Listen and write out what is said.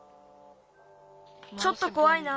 ちょっとこわいな。